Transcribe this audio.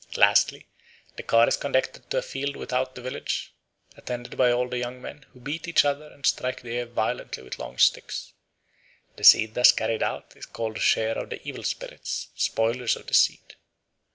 Lastly, the car is conducted to a field without the village, attended by all the young men, who beat each other and strike the air violently with long sticks. The seed thus carried out is called the share of the "evil spirits, spoilers of the seed."